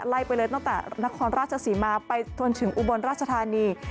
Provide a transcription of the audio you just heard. ไปเลยตั้งแต่นครราชศรีมาไปจนถึงอุบลราชธานี